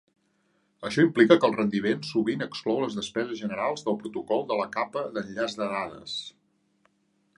Això implica que el rendiment sovint exclou les despeses generals del protocol de la capa d'enllaç de dades.